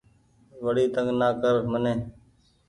وڙي تنگ نا ڪر مني